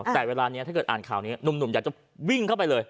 แต่เวลานี้ถ้าเกิดอ่านข่าวนี้หนุ่มอยากจะวิ่งเข้าไปเลย